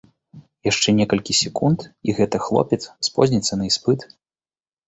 Яшчэ некалькі секунд і гэты хлопец спозніцца на іспыт!